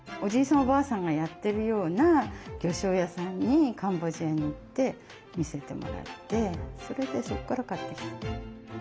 おばあさんがやってるような魚しょう屋さんにカンボジアに行って見せてもらってそれでそこから買ってきた。